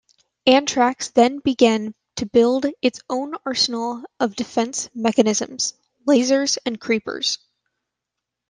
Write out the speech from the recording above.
Antrax then began to build its own arsenal of defence mechanisms: lasers and Creepers.